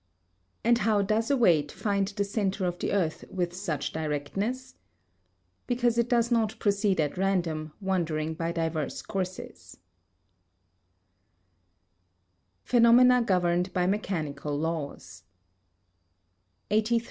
And how does a weight find the centre of the earth with such directness? Because it does not proceed at random, wandering by diverse courses. [Sidenote: Phenomena governed by Mechanical Laws] 83.